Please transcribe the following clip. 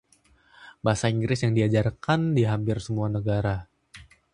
Bahasa Inggris diajarkan di hampir semua negara.